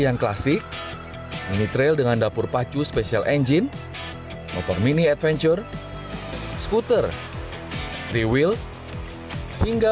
yang klasik ini trail dengan dapur pacu special engine motor mini adventure scooter diwills hingga